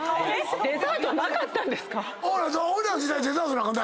デザートなかったんですか？